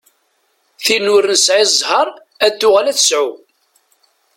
Tin ur nesɛi zzher ad tuɣal ad tesɛu.